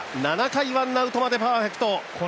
７回ワンアウトまでパーフェクト。